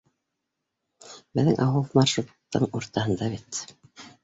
Беҙҙең ауыл маршруттың уртаһында бит.